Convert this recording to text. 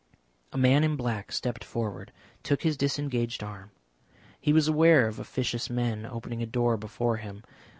A man in black stepped forward, took his disengaged arm. He was aware of officious men opening a door before him.